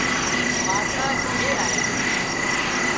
پاسا گھرِي آيا